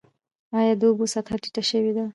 آیا د اوبو سطحه ټیټه شوې؟